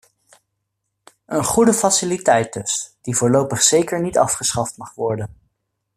Een goede faciliteit dus die voorlopig zeker niet afgeschaft mag worden.